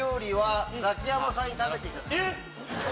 えっ